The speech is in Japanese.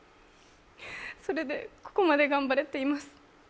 それでここまで頑張れています。